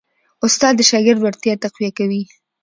استاد د شاګرد وړتیا تقویه کوي.